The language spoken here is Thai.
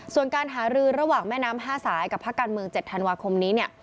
ส่วนการหารือระหว่างแม่น้ำ๕สายกับภาคการเมือง๗ธันวาคมนี้เนี่ย